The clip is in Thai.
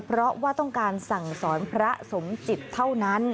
เพราะว่าต้องการสั่งสอนพระสมจิตเท่านั้น